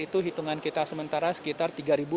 itu hitungan kita sementara sekitar tiga tiga ratus